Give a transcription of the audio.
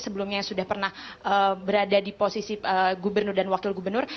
sebelumnya sudah pernah berada di posisi gubernur dan wakil gubernur